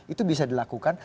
itu bisa dilakukan